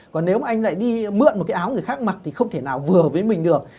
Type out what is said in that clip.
còn nếu anh lại đi mượn một cái áo người khác mặc thì không thể nào vừa với mình được